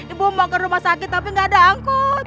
ibu mau ke rumah sakit tapi gak ada angkut